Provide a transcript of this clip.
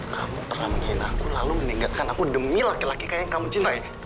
kamu pernah menghina aku lalu meninggalkan aku demi laki laki yang kamu cintai